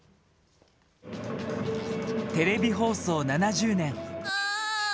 テレビ放送７０年。